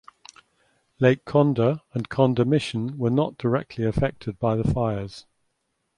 Lake Condah and Condah Mission were not directly affected by the fires.